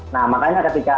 nah makanya ketika